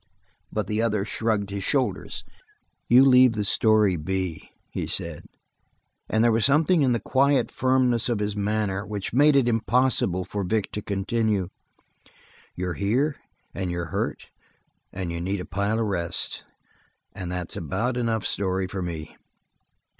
But the other shrugged his shoulders. "You leave the story be," he said, and there was something in the quiet firmness of his manner which made it impossible for Vic to continue. "You're here and you're hurt and you need a pile of rest. That's about enough story for me."